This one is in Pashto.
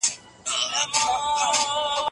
پر ميرمن باندي د خاوند خبري منل څه حکم لري؟